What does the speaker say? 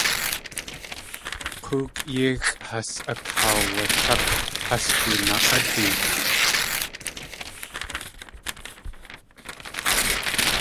K̲óok yíxʼ has akaawachák has du naa.ádi.